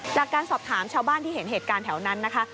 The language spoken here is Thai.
จากการสอบถามชาวบ้านที่เห็นเหตุการณ์แถวนั้นนะคะ